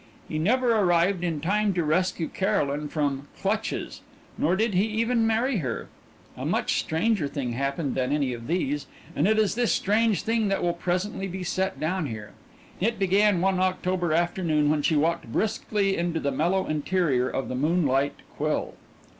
He never arrived in time to rescue Caroline from "clutches"; nor did he even marry her. A much stranger thing happened than any of these, and it is this strange thing that will presently be set down here. It began one October afternoon when she walked briskly into the mellow interior of the Moonlight Quill.